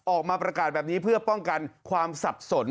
ออกมาประกาศแบบนี้เพื่อป้องกันความสับสน